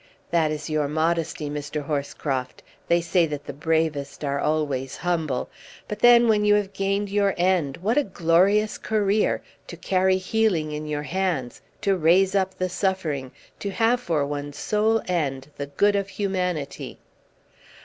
"That is your modesty, Mr. Horscroft. They say that the bravest are always humble. But then, when you have gained your end, what a glorious career to carry healing in your hands, to raise up the suffering, to have for one's sole end the good of humanity!"